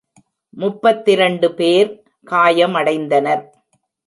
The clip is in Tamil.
முப்பத்திரண்டு பேர் காயமடைந்தனர்.